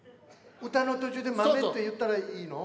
歌の途中で豆って言ったらいいの？